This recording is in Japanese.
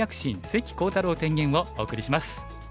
関航太郎天元」をお送りします。